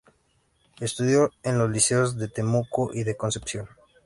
Estudió en los Liceos de Temuco y de Concepción.